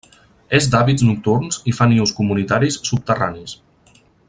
És d'hàbits nocturns i fa nius comunitaris subterranis.